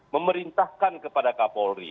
memerintahkan kepada kapolri